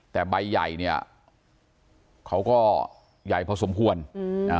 แต่ใบใหญ่เนี่ยเขาก็ใหญ่พอสมควรอืมอ่า